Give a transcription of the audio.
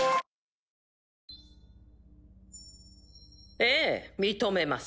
ええ認めます。